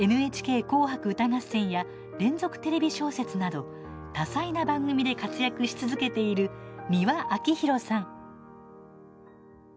「ＮＨＫ紅白歌合戦」や連続テレビ小説など多彩な番組で活躍し続けている美輪明宏さん。